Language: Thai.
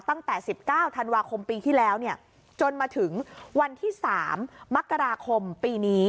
ตั้งแต่๑๙ธันวาคมปีที่แล้วจนมาถึงวันที่๓มกราคมปีนี้